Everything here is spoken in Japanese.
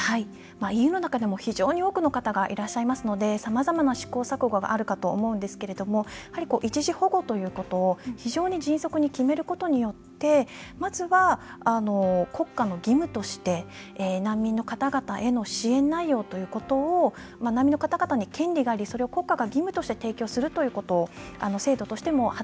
ＥＵの中でも非常に多くの方がいらっしゃいますのでさまざまな試行錯誤があるかと思うんですけれどもやはり一時保護ということを非常に迅速に決めることによってまずは国家の義務として難民の方々への支援内容ということを難民の方々に権利がありそれを国家が義務として提供するということを制度としても発令しています。